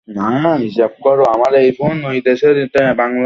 ম্যাক্সিকোর American অ্যাম্বাসিতে।